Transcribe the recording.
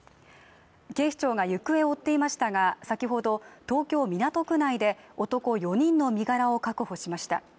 警視庁が行方を追っていましたが、先ほど東京・港区内で男４人の身柄を確保しました。